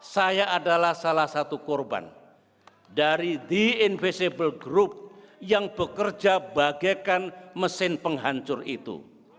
saya adalah salah satu korban dari the invisible group yang bekerja bagaikan mesin penghancur itu